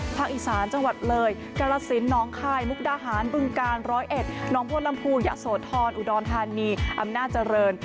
อีสานจังหวัดเลยกรสินน้องคายมุกดาหารบึงกาล๑๐๑น้องบัวลำพูยะโสธรอุดรธานีอำนาจเจริญ